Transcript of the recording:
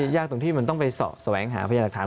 ยากตรงที่มันต้องไปแสวงหาพยาหลักฐาน